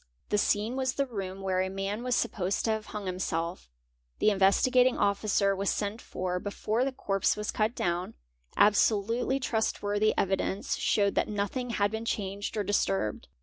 The scene was the room where a man was supposed to have hung himself; the Investi gating Officer was sent for before the corpse was cut down; absolutely _ trustworthy evidence showed that nothing had been changed or dis turbed.